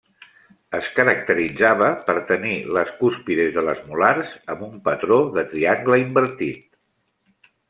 Es caracteritzava per tenir les cúspides de les molars amb un patró de triangle invertit.